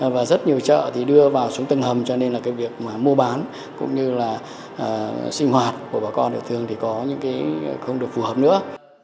và rất nhiều trợ thì đưa vào trung tâm hầm cho nên là việc mua bán cũng như là sinh hoạt của bà con đều thường thì không được phù hợp nữa